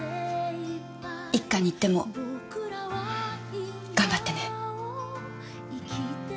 一課に行っても頑張ってね。